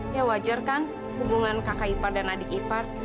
ya wajar kan hubungan kakak ipar dan adik ipar